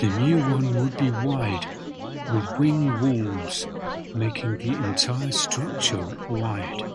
The new one would be wide, with wing walls making the entire structure wide.